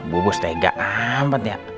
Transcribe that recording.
bubur setegak amat ya